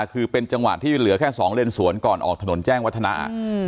คือเป็นจังหวะที่เหลือแค่๒เลนสวนก่อนออกถนนแจ้งวัฒนะ